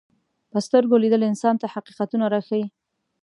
په سترګو لیدل انسان ته حقیقتونه راښيي